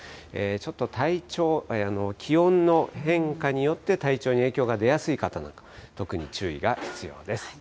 ちょっと体調、気温の変化によって体調に影響が出やすい方なんか、特に注意が必要です。